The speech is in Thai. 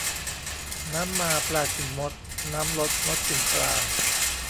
น้ำมาปลากินมด น้ำลดมดกินปลา